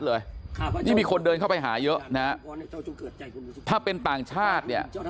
เลยครับนี่มีคนเดินเข้าไปหาเยอะนะฮะถ้าเป็นต่างชาติเนี่ย